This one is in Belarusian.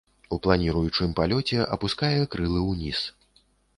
У планіруючым палёце апускае крылы ўніз.